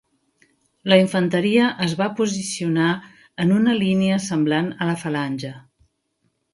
La infanteria es va posicionar en una línia semblant a la falange.